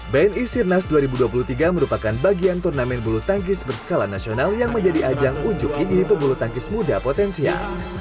bni sirnas dua ribu dua puluh tiga merupakan bagian turnamen bulu tangkis berskala nasional yang menjadi ajang unjuk ini pebulu tangkis muda potensial